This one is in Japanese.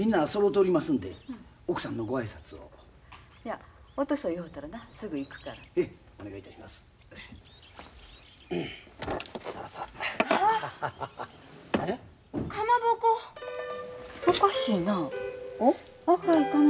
おかしいな。